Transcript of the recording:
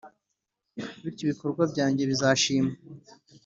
Bityo ibikorwa byanjye bizashimwa,